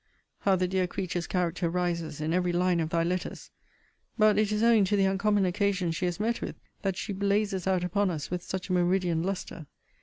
How the dear creature's character rises in every line of thy letters! But it is owing to the uncommon occasions she has met with that she blazes out upon us with such a meridian lustre.